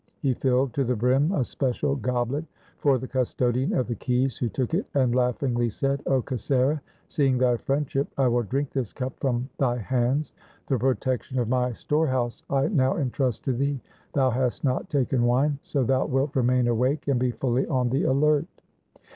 He filled to the brim a special goblet for the custodian of the keys, who took it and laughingly said, ' 0 Kasera, seeing thy friendship I will drink this cup from thy hands. The protection of my storehouse I now entrust to thee. Thou hast not taken wine, so thou wilt remain awake and be fully on the alert.'